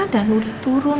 dan udah turun